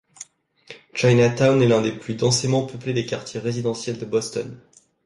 Chinatown est l'un des plus densément peuplés des quartiers résidentiels de Boston.